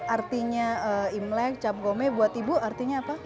artinya imlek cap gome buat ibu artinya apa